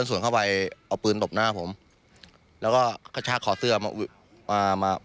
นี่แหละครับหลังจากเกิดเหตุ